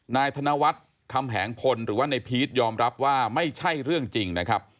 นายธนวัฒน์คำแหงพลหรือว่าในพีชยอมรับว่าไม่ใช่เรื่องจริงนะครับ